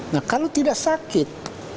nah kalau tidak sakit